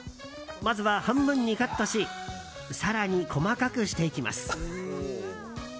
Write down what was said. まずは半分にカットし更に細かくしていきます。